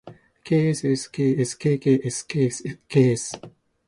ｋｓｓｋｓｋｋｓｋｓｋｓ